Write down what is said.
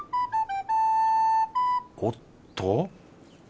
おっと。